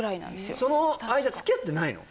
確かその間つきあってないの？